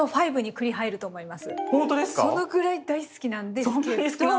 そのくらい大好きなんですけど。